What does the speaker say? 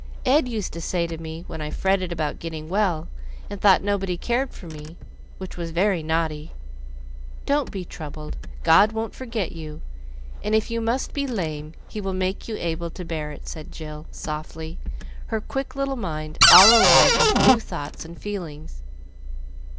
"Ed used to say to me when I fretted about getting well, and thought nobody cared for me, which was very naughty, 'Don't be troubled, God won't forget you; and if you must be lame, He will make you able to bear it,'" said Jill, softly, her quick little mind all alive with new thoughts and feelings.